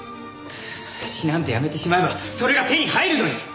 詩なんてやめてしまえばそれが手に入るのに！